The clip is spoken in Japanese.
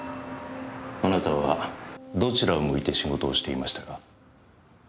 あなたはどちらを向いて仕事をしていましたか？